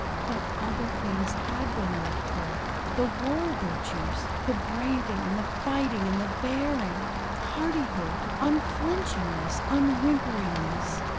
But other things had been left her. The war virtues! The braving and the fighting and the bearing. Hardihood. Unflinchingness. Unwhimperingness.